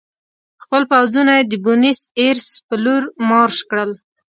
خپل پوځونه یې د بونیس ایرس په لور مارش کړل.